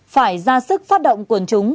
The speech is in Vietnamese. phải ra sức phát động quần chúng